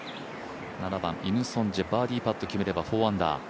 ７番、イム・ソンジェ、バーディーパット決めれば４アンダー。